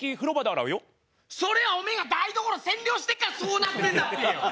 それはおめえが台所占領してるからそうなってんだっぺよ。